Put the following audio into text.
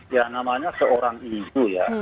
ya namanya seorang ibu ya